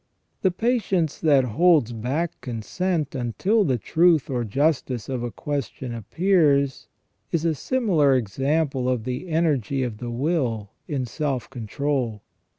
The patience that holds back consent until the truth or justice of a question appears is a similar example of the energy of the will in self control.